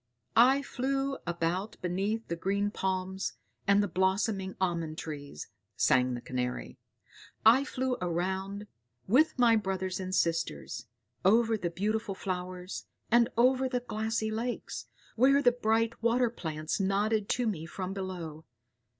"I flew about beneath the green palms and the blossoming almond trees," sang the Canary; "I flew around, with my brothers and sisters, over the beautiful flowers, and over the glassy lakes, where the bright water plants nodded to me from below.